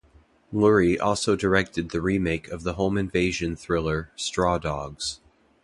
Lurie also directed the remake of the home invasion thriller "Straw Dogs".